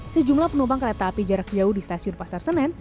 sejumlah penumpang kereta api jarak jauh di stasiun pasar senen